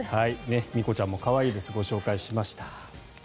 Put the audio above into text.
心虹ちゃんも可愛いですご紹介しました。